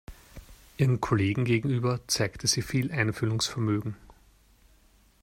Ihren Kollegen gegenüber zeigte sie viel Einfühlungsvermögen.